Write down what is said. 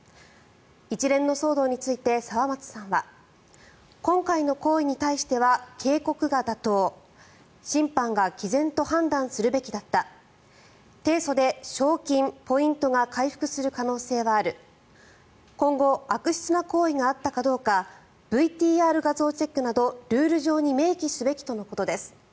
一連の騒動について沢松さんは今回の行為に対しては警告が妥当審判がきぜんと判断するべきだった提訴で賞金、ポイントが回復する可能性はある今後悪質な行為があったかどうかＶＴＲ画像チェックなどルール上に明記すべきとのことです。